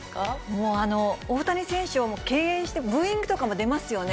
もう大谷選手を敬遠して、ブーイングとかも出ますよね。